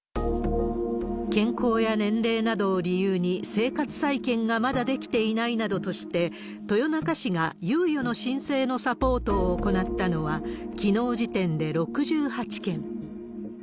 健康や年齢などを理由に、生活再建がまだできていないなどとして、豊中市が猶予の申請のサポートを行ったのは、きのう時点で６８件。